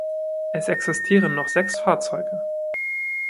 Es existieren noch sechs Fahrzeuge.